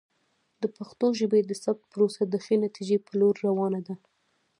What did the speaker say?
د پښتو ژبې د ثبت پروسه د ښې نتیجې په لور روانه ده.